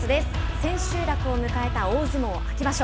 千秋楽を迎えた大相撲秋場所。